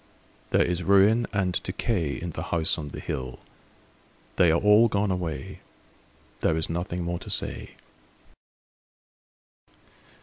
There is ruin and decay In the House on the Hill They are all gone away, There is nothing more to say.